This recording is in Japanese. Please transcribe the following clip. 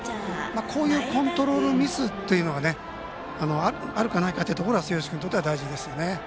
こういうコントロールミスっていうのがあるかないかっていうところが末吉君にとって大事ですね。